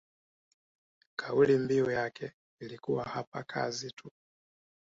kauli mbiu yake ilikuwa hapa kazi tu